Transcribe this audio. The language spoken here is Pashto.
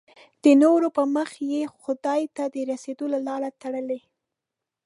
د نورو پر مخ یې خدای ته د رسېدو لاره تړلې.